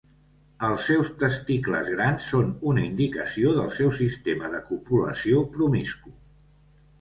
Els seus testicles grans són una indicació del seu sistema de copulació promiscu.